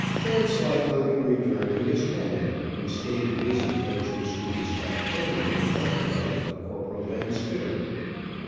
Vanslyperken returned to his cabin and stated his intentions to his factotum and confidant, Corporal Van Spitter.